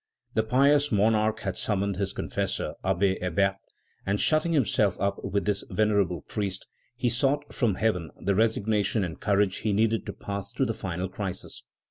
The pious monarch had summoned his confessor, Abbé Hébert, and shutting himself up with this venerable priest, he besought from Heaven the resignation and courage he needed to pass through the final crisis.